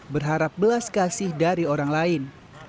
berharap belas kasih dari orang lain